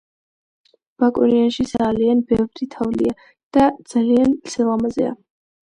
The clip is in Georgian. ბაკურიანსში ზაალიან ბევრი თოვლია იქ ძალიან სილამაზეა